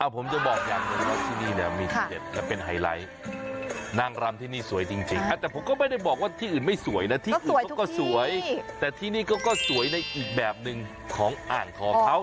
ผมจะบอกอย่างหนึ่งว่าที่นี่เนี่ยมีทีเด็ดและเป็นไฮไลท์นางรำที่นี่สวยจริงแต่ผมก็ไม่ได้บอกว่าที่อื่นไม่สวยนะที่อื่นเขาก็สวยแต่ที่นี่ก็สวยในอีกแบบหนึ่งของอ่างทองเขา